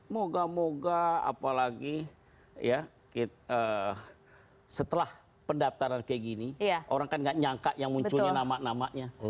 moga moga apalagi ya setelah pendaftaran kayak gini orang kan gak nyangka yang munculnya nama namanya